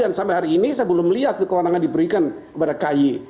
dan sampai hari ini saya belum melihat kewenangan diberikan kepada kay